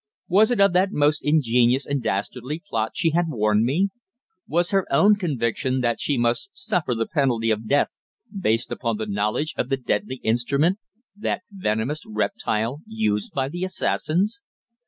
Was it of that most ingenious and dastardly plot she had warned me? Was her own conviction that she must suffer the penalty of death based upon the knowledge of the deadly instrument, that venomous reptile used by the assassins?